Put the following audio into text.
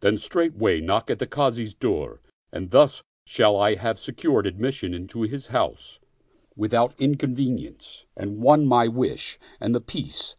Then straightway knock at the Kazi's door, and thus shall I have secured admission into his house, without inconvenience, and won my wish ; and — the Peace